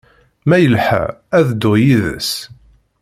Ma yelḥa, ad dduɣ yid-s.